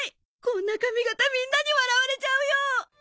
こんな髪形みんなに笑われちゃうよ！